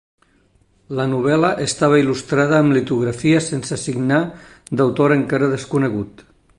La novel·la estava il·lustrada amb litografies sense signar, d'autor encara desconegut.